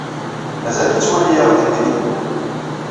Mazal yettwali-aɣ d imidiwen.